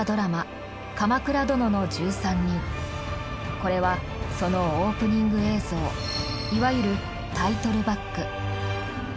これはそのオープニング映像いわゆるタイトルバック。